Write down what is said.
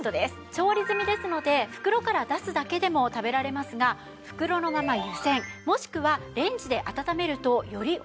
調理済みですので袋から出すだけでも食べられますが袋のまま湯せんもしくはレンジで温めるとより美味しく